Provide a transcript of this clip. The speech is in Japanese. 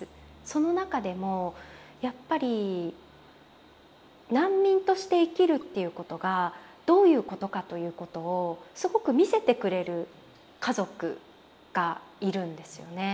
その中でもやっぱり難民として生きるっていうことがどういうことかということをすごく見せてくれる家族がいるんですよね。